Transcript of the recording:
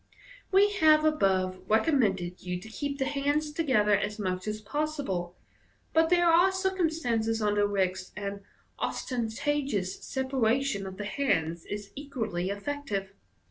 We have above recommended you to keep the hands together as much as possible j but there are circumstances under which an ostentatious sepa ration of the hands is equally effective.